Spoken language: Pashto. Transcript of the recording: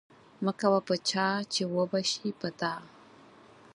مه کوه په چا چې وبه شي پر تا